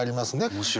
面白い。